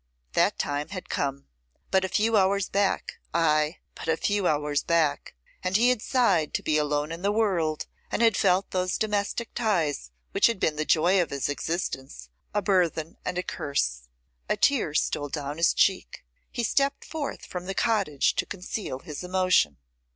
That time had come. But a few hours back, ay! but a few hours back, and he had sighed to be alone in the world, and had felt those domestic ties which had been the joy of his existence a burthen and a curse. A tear stole down his cheek; he stepped forth from the cottage to conceal his emotion.